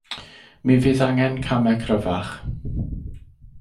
Mi fydd angen camau cryfach.